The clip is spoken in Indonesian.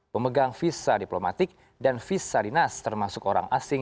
pemegang visa diplomatik dan visa dinas termasuk orang asing